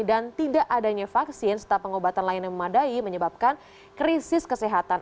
dan tidak adanya vaksin setelah pengobatan lain yang memadai menyebabkan krisis kesehatan